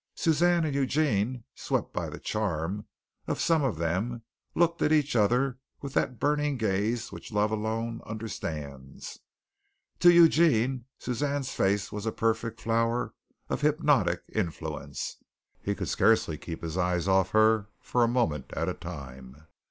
Suzanne and Eugene, swept by the charm of some of them, looked at each other with that burning gaze which love alone understands. To Eugene Suzanne's face was a perfect flower of hypnotic influence. He could scarcely keep his eyes off her for a moment at a time.